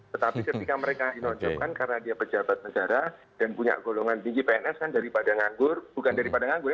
tetapi ketika mereka menonjolkan karena dia pejabat negara dan punya golongan tinggi pns kan daripada nganggur bukan daripada nganggur